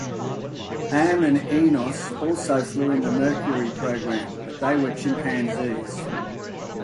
Ham and Enos also flew in the Mercury program but they were chimpanzees.